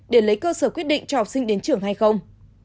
để lấy cơ sở quyết định cho học sinh đến trường hay không